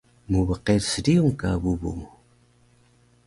Mbqerus riyung ka bubu mu